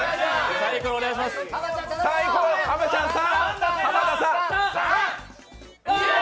濱ちゃん、３！